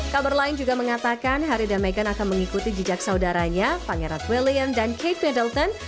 kabar lain juga mengatakan harry dan meghan akan mengikuti jejak saudaranya pangeran william dan kate middleton